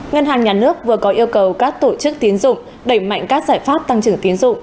ngân hàng nhà nước vừa có yêu cầu các tổ chức tiến dụng đẩy mạnh các giải pháp tăng trưởng tiến dụng